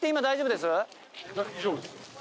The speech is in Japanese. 大丈夫ですか？